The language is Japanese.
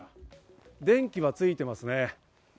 電気はついてますね。